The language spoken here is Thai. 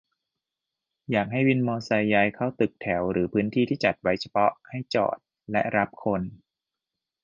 อยากให้วินมอไซค์ย้ายเข้าตึกแถวหรือพื้นที่ที่จัดไว้เฉพาะให้จอดและรับคน